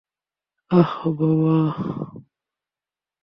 আহ, বাবা?